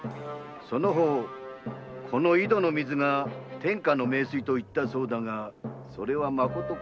その方は「この井戸の水が天下の名水」と言ったそうだがそれはまことか？